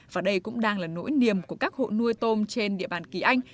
và đây cũng đang là nỗi niềm của các hộ nuôi tôm trên địa bàn kỳ anh